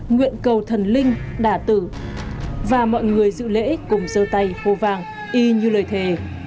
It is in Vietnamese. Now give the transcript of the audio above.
nguyện cầu thần linh đà tử và mọi người dự lễ cùng dơ tay khô vàng y như lời thề